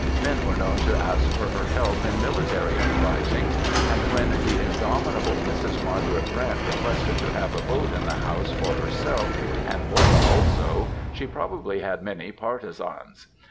Men were known to ask for her help in military uprisings, and when the indomitable " Mrs. Margaret Brent ^ requested to have a vote in the House for herself, and " voyce allsoe,^^ she probably had many partisans.